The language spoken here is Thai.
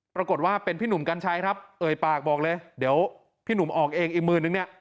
ปรากฏว่าเป็นพี่หนุ่มกัญชัยครับเอ่ยปากบอกเลยเดี๋ยวพี่หนุ่มออกเองอีกหมื่นนึงเนี่ย